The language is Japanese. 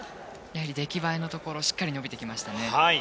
出来栄えのところしっかり伸びてきましたね。